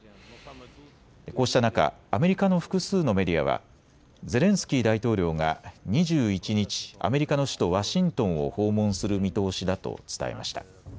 こうした中、アメリカの複数のメディアはゼレンスキー大統領が２１日アメリカの首都ワシントンを訪問する見通しだと伝えました。